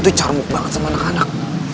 itu carmuk banget sama anak anak